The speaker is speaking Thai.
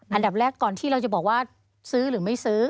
อันดับแรกก่อนที่เราจะบอกว่าซื้อหรือไม่ซื้อ